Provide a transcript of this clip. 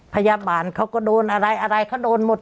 พยาบาลเขาก็โดนอะไรอะไรเขาโดนหมด